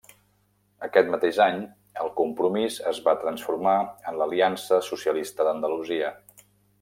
Aquest mateix any, el Compromís es va transformar en l'Aliança Socialista d'Andalusia.